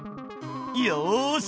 よし！